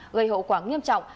gây hậu quả nghiêm trọng